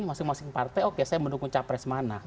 masing masing partai oke saya mendukung capres mana